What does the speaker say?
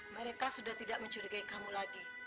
mereka sudah tidak mencurigai kamu lagi